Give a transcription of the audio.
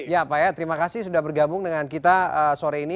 ya pak ya terima kasih sudah bergabung dengan kita sore ini